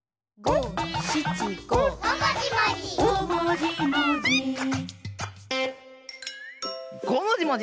「ごもじもじ」